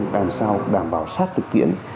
đảm sao đảm bảo sát thực tiện